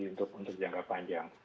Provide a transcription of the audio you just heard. untuk jangka panjang